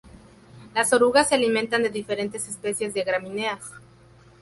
Las orugas se alimentan de diferentes especies de gramíneas.